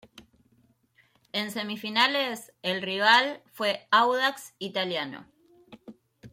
En semifinales, el rival fue Audax Italiano.